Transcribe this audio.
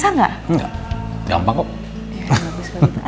sampai jumpa lagi